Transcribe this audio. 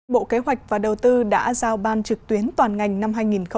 bộ kế hoạch và đầu tư đã giao ban trực tuyến toàn ngành năm hai nghìn hai mươi